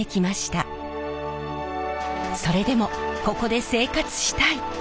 それでもここで生活したい。